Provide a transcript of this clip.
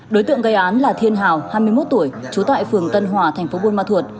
đối tượng gây án là thiên hào hai mươi một tuổi trú tại phường tân hòa thành phố buôn ma thuột